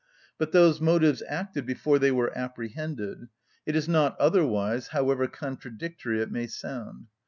But those motives acted before they were apprehended; it is not otherwise, however contradictory it may sound.